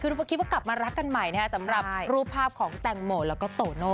หนูคิดว่ากลับมารักกันใหม่สำหรับรูปภาพของแต่งโมและโตโน่